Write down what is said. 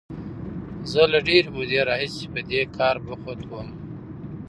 زه له ډېرې مودې راهیسې په دې کار بوخت وم.